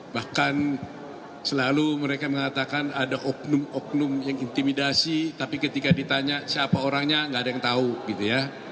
bahkan selalu mereka mengatakan ada oknum oknum yang intimidasi tapi ketika ditanya siapa orangnya nggak ada yang tahu gitu ya